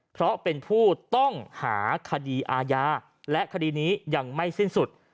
เพราะเป็นผู้ต้องหาคดีอาญาและคดีนี้ยังไม่สิ้นสุด